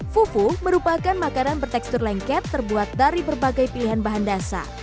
fufu merupakan makanan bertekstur lengket terbuat dari berbagai pilihan bahan dasar